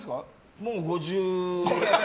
もう５０。